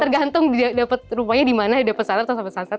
tergantung dia dapat rupanya dimana dia dapat sunrise atau sampai sunset